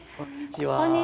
こんにちは。